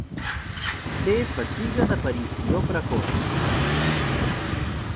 Té fatiga d'aparició precoç.